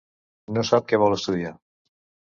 No sap què vol estudiar.